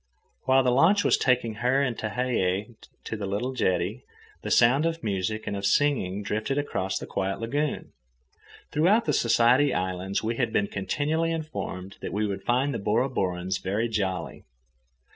While the launch was taking her and Tehei to the little jetty, the sound of music and of singing drifted across the quiet lagoon. Throughout the Society Islands we had been continually informed that we would find the Bora Borans very jolly.